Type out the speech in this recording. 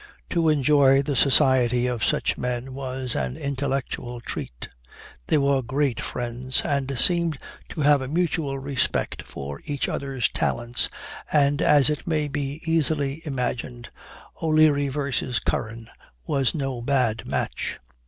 To enjoy the society of such men was an intellectual treat. They were great friends, and seemed to have a mutual respect for each other's talents and, as it may be easily imagined, O'Leary versus Curran was no bad match.